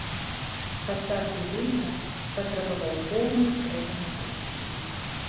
Фасад будынка патрабаваў поўнай рэканструкцыі.